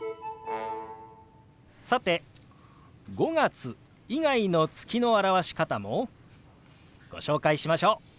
さて５月以外の月の表し方もご紹介しましょう。